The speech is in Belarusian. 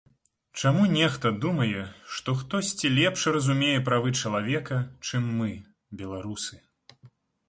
Чаму нехта думае, што хтосьці лепш разумее правы чалавека, чым мы, беларусы?